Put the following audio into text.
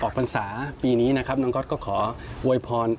ออกปรรณสาปีนี้น้องก๊อตก็ขอโวยพร